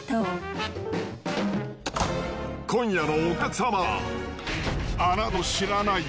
今夜のお客様は。